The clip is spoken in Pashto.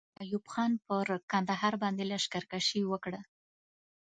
ایوب خان پر کندهار باندې لښکر کشي وکړه.